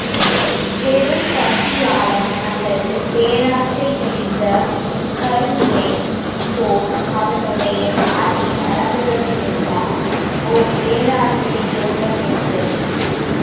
பெரும் பசியாளன் அல்லது பேராசை பிடித்த கருமியைப் போல் அவனுடைய நாடி நரம்புகளிலெல்லாம் ஒரு பேராசை யோட்டமெடுத்தது.